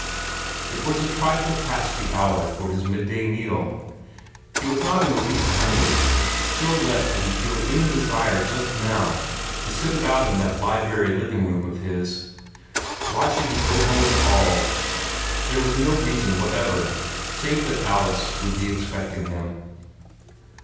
It was a trifle past the hour for his midday meal. He was not in the least hungry; still less did he feel any desire just now to sit about in that library living room of his. Why should he go home at all? There was no reason whatever save that Alice would be expecting him.